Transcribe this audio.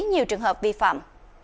nhiều trường hợp vi phạm